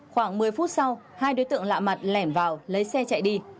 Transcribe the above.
khoảng một mươi phút sau hai đối tượng lạ mặt lẻn vào lấy xe chạy đi